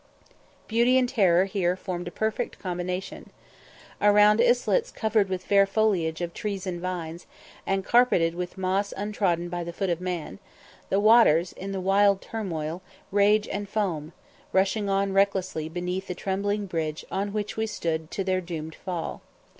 Beauty and terror here formed a perfect combination. Around islets covered with fair foliage of trees and vines, and carpeted with moss untrodden by the foot of man, the waters, in wild turmoil, rage and foam: rushing on recklessly beneath the trembling bridge on which we stood to their doomed fall.